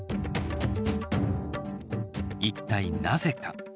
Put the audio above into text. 一体なぜか。